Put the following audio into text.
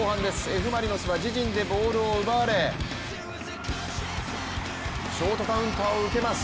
Ｆ・マリノスは自陣でボールを奪われショートカウンターを受けます。